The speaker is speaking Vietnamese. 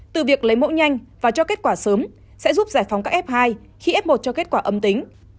từ việc lấy mẫu nhanh và cho kết quả sớm sẽ giúp giải phóng các f hai khi f một cho kết quả âm tính